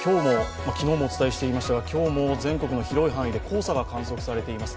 昨日もお伝えしていましたが、今日も全国の広い範囲で黄砂が観測されています。